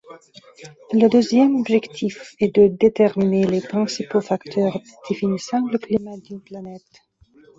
Le deuxième objectif est de déterminer les principaux facteurs définissant le climat d'une planète.